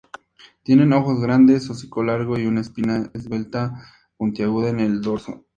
Tienen ojos grandes, hocico largo y una espina esbelta puntiaguda en el dorso.